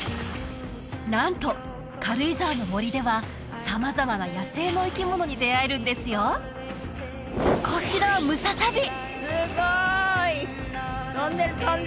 なんと軽井沢の森では様々な野生の生き物に出会えるんですよこちらはムササビすごい！